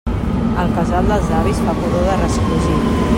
El casal dels avis fa pudor de resclosit.